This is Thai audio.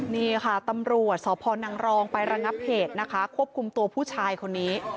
นี่ค่ะตำรวจสพนังรองไประงับเหตุนะคะควบคุมตัวผู้ชายคนนี้